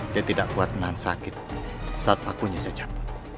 dia tidak kuat menahan sakit saat pakunya sejam